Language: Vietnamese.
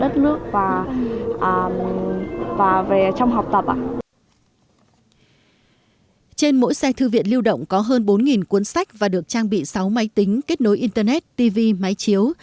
trên mỗi xe thư viện lưu động có hơn bốn cuốn sách và được trang bị sáu máy tính kết nối internet tv máy chiếu